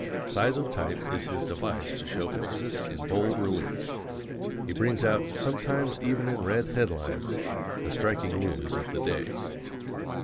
Size of type is his device to show emphasis in bold relief. He brings out sometimes even in red headlines the striking news of the day.